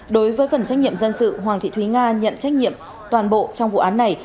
đối với phần trách nhiệm dân sự hoàng thị thúy nga nhận trách nhiệm toàn bộ trong vụ án này